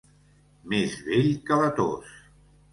Més vell que la tos.